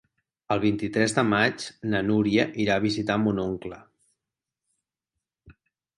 El vint-i-tres de maig na Núria irà a visitar mon oncle.